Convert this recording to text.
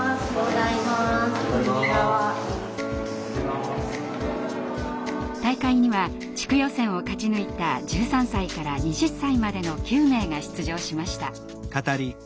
大会には地区予選を勝ち抜いた１３歳から２０歳までの９名が出場しました。